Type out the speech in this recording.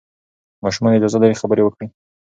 ماشومان اجازه لري خبرې وکړي.